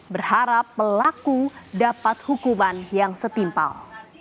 berharap pelaku dapat hukuman yang setimpal